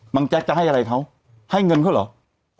แจ๊กจะให้อะไรเขาให้เงินเขาเหรอ